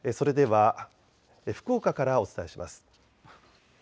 それでは福岡からお伝えします。